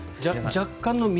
若干の見